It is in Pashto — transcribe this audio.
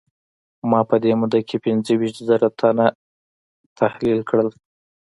ما په دې موده کې پينځه ويشت زره تنه تحليل کړل.